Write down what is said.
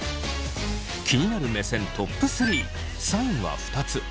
気になる目線トップ３３位は２つ。